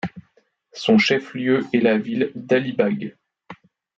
Son chef-lieu est la ville d'Alibag.